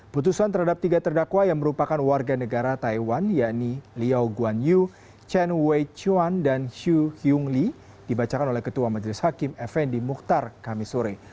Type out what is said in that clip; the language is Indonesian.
putusan terhadap tiga terdakwa yang merupakan warga negara taiwan yakni liao guan yu chen wei chuan dan xu heung lee dibacakan oleh ketua majelis hakim fn di mukhtar kamisore